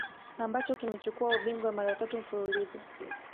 ambacho kimechukua ubingwa mara tatu mfululizo